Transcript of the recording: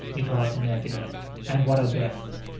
he thought, in agony, "and what a death!"